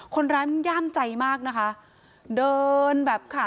คนร้ายมันย่ามใจมากนะคะ